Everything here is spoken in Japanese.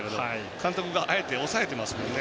監督が、あえて抑えてますもんね。